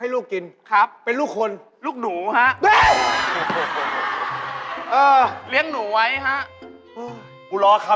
แล้วรสจอดปากก็